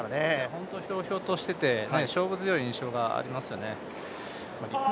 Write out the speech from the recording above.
本当にひょうひょうとしてて勝負強い印象がありますよね。